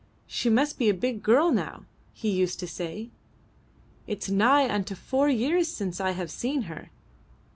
"She must be a big girl now," he used to say. "It's nigh unto four years since I have seen her!